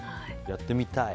やってみたい。